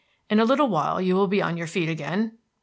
In a little while you will be on your feet again."